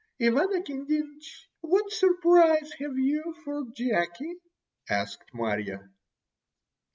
"Ivan Akindinich, what surprise have you for Jacky?" asked Marya.